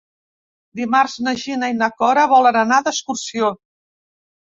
Dimarts na Gina i na Cora volen anar d'excursió.